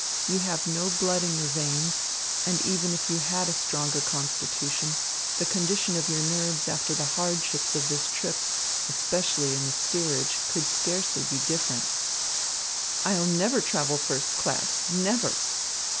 You have no blood in your veins, and even if you had a stronger constitution, the condition of your nerves after the hardships of this trip, especially in the steerage, could scarcely be different." "I'll never travel first class, never!"